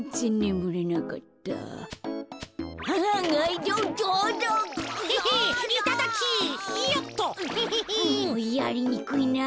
もうやりにくいなぁ。